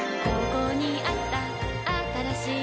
ここにあったあったらしい